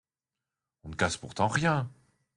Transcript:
On ne casse pourtant rien…